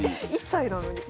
１歳なのに。